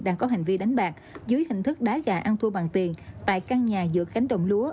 đang có hành vi đánh bạc dưới hình thức đá gà ăn thua bằng tiền tại căn nhà giữa cánh đồng lúa